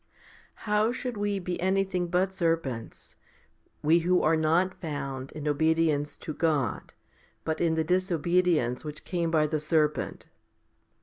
6. How should we be anything but serpents, we who are not found in obedience to God, but in the disobedience which came by the serpent